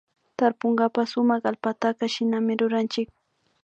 Tarpunkapak sumak allpataka shinami ruranchik